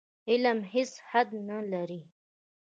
علم هېڅ حد نه لري.